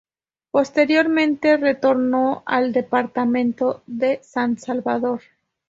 Posteriormente retornó al departamento de San Salvador.